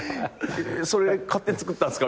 それ勝手に作ったんですか？